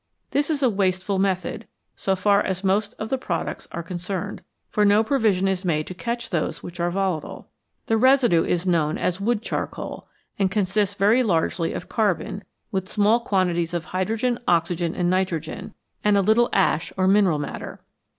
This is a wasteful method, so far as most of the products are con cerned, for no provision is made to catch those which are volatile. The residue is known as wood charcoal, and consists very largely of carbon, with small quantities of hydrogen, oxygen, and nitrogen, and a little ash or 143 MORE ABOUT FUEL mineral matter.